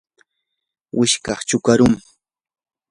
wishkash chukarum.